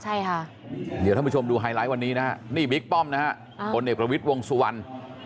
ใช่ค่ะเดี๋ยวท่านผู้ชมดูไฮไลท์วันนี้นะฮะนี่บิ๊กป้อมนะฮะคนเอกประวิทย์วงสุวรรณ